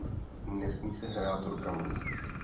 Nesmí se hrát rukama.